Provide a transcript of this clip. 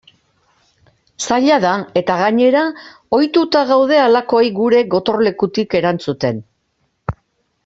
Zaila da eta gainera ohituta gaude halakoei gure gotorlekutik erantzuten.